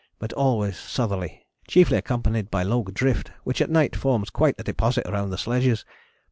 but always southerly, chiefly accompanied by low drift which at night forms quite a deposit round the sledges.